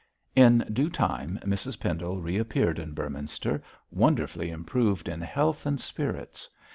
In due time Mrs Pendle reappeared in Beorminster, wonderfully improved in health and spirits.